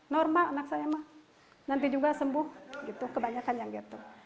normal anak saya mah nanti juga sembuh gitu kebanyakan yang gitu